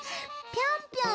ぴょんぴょん？